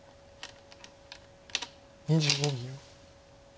２５秒。